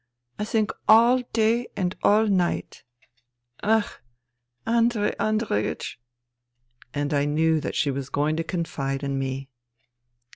I think all day and night. Ach ! Andrei Andreiech." And I knew that she was going to confide in me.